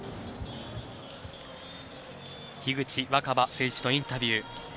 樋口新葉選手のインタビュー。